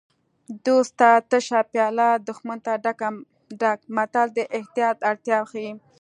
دوست ته تشه پیاله دښمن ته ډکه متل د احتیاط اړتیا ښيي